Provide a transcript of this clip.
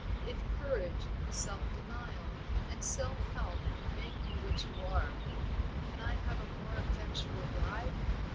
If courage, self denial, and self help, make you what you are, can I have a more effectual guide?